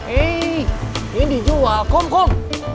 eh ini dijual kum kum